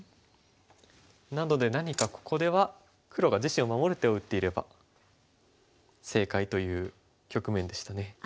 なので何かここでは黒が自身を守る手を打っていれば正解という局面でしたね。